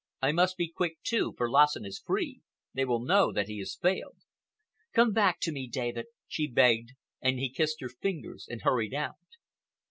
"I must be quick, too, for Lassen is free—they will know that he has failed." "Come back to me, David," she begged, and he kissed her fingers and hurried out.